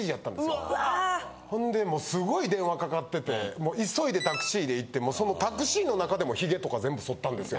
んでもうすごい電話かかってて急いでタクシーで行ってタクシーの中でヒゲとか全部剃ったんですよ。